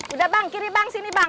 udah bang kiri bang sini bang